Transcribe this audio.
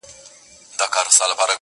• د زړه بوټى مي دی شناخته د قبرونو.